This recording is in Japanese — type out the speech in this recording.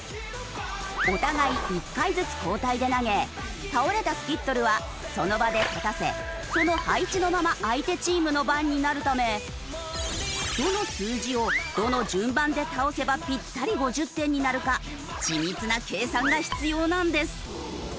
お互い１回ずつ交代で投げ倒れたスキットルはその場で立たせその配置のまま相手チームの番になるためどの数字をどの順番で倒せばぴったり５０点になるか緻密な計算が必要なんです。